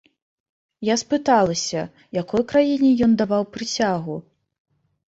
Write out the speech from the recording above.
Я спыталася, якой краіне ён даваў прысягу?